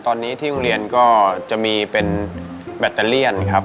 ตอนนี้ที่โรงเรียนก็จะมีเป็นแบตเตอเลียนครับ